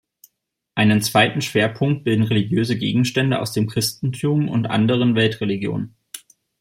Einen zweiten Schwerpunkt bilden religiöse Gegenstände aus dem Christentum und anderen Weltreligionen.